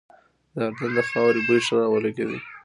د اردن د خاورې بوی ښه را ولګېده.